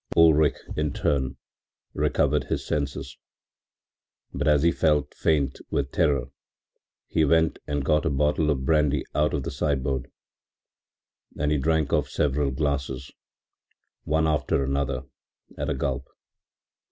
Ulrich, in turn, recovered his senses, but as he felt faint with terror, he went and got a bottle of brandy out of the sideboard, and he drank off several glasses, one after anther, at a gulp.